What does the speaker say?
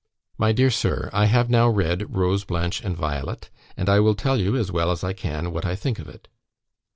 "My dear Sir, I have now read 'Rose, Blanche, and Violet,' and I will tell you, as well as I can, what I think of it.